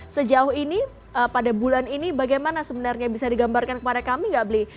sejauh ini pada bulan ini bagaimana sebenarnya bisa digambarkan kepada kami nggak bli